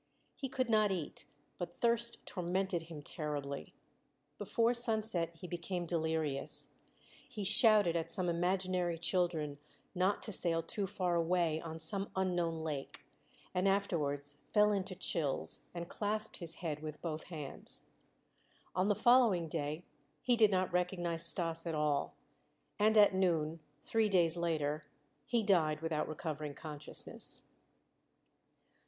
He could not eat, but thirst tormented him terribly. Before sunset he became delirious. He shouted at some imaginary children not to sail too far away on some unknown lake, and afterwards fell into chills, and clasped his head with both hands. On the following day he did not recognize Stas at all, and at noon, three days later, he died without recovering consciousness.